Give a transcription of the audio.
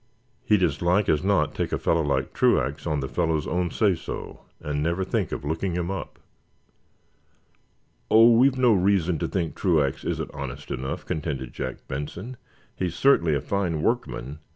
He'd as like as not take a fellow like Truax on the fellow's own say so, and never think of looking him up." "Oh, we've no reason to think Truax isn't honest enough," contended Jack Benson. "He's certainly a fine workman.